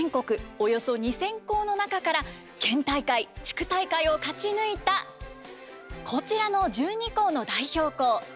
およそ２，０００校の中から県大会地区大会を勝ち抜いたこちらの１２校の代表校。